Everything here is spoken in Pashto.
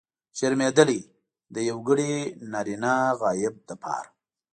شرمېدلی! د یوګړي نرينه غایب لپاره.